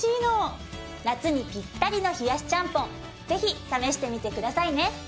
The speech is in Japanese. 夏にピッタリの冷やしちゃんぽんぜひ試してみてくださいね。